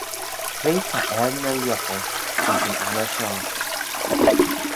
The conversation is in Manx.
Cre ta er ny lhiettal ayns yn anney shoh?